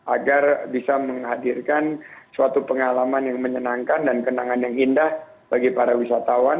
agar bisa menghadirkan suatu pengalaman yang menyenangkan dan kenangan yang indah bagi para wisatawan